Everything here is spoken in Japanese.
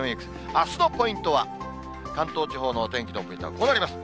あすのポイントは、関東地方のお天気のポイントはこうなります。